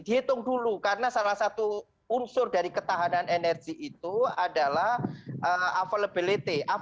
dihitung dulu karena salah satu unsur dari ketahanan energi itu adalah availability